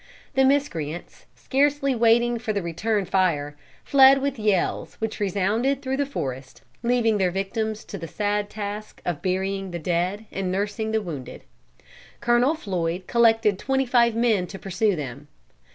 The miscreants, scarcely waiting for the return fire, fled with yells which resounded through the forest, leaving their victims to the sad task of burying the dead and nursing the wounded. Colonel Floyd collected twenty five men to pursue them.